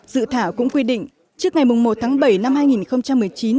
dự thảo cũng quy định trước ngày một tháng bảy năm hai nghìn một mươi chín